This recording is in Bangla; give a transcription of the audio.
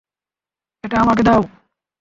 এটা আমাকে দাও!